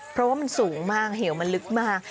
เพราะว่ามันสูงมากเหวมันลึกมาก